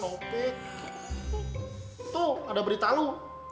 sopi tuh ada berita lu